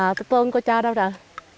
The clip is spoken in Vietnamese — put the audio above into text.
à tụi tôi không có cho đâu rồi